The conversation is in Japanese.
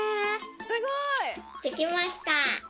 すごい！できました！